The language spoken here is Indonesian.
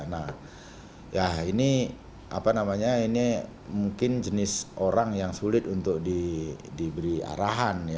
nah ya ini apa namanya ini mungkin jenis orang yang sulit untuk diberi arahan